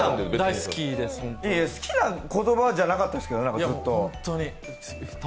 好きな言葉じゃなかったですけどね、ずっと。